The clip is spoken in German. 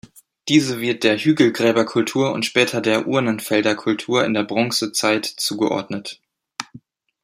Diese wird der Hügelgräberkultur und später der Urnenfelderkultur in der Bronzezeit zugeordnet.